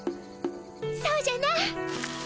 そうじゃな！